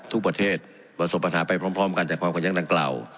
ทุกประเทศประสบปัญหาไปพร้อมกันจากความขัดแย้งดังกล่าว